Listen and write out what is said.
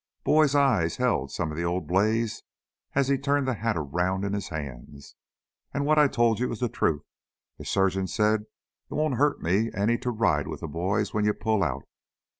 Boyd's eyes held some of the old blaze as he turned the hat around in his hands. "And what I told you is the truth. The surgeon said it won't hurt me any to ride with the boys when you pull out.